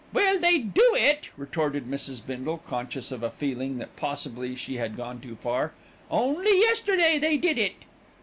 "Well, they do it," retorted Mrs. Bindle, conscious of a feeling that possibly she had gone too far; "only yesterday they did it."